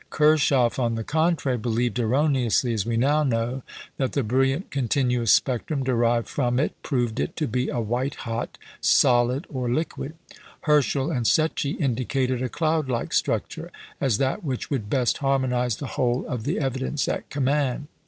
Kirchhoff, on the contrary, believed (erroneously, as we now know) that the brilliant continuous spectrum derived from it proved it to be a white hot solid or liquid. Herschel and Secchi indicated a cloud like structure as that which would best harmonise the whole of the evidence at command.